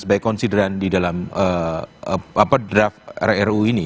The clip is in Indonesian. sebagai konsideran di dalam draft rru ini